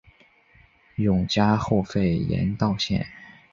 永嘉后废严道县。